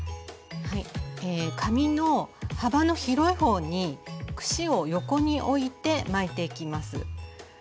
紙の幅の広い方に串を横に置いて巻いていきます。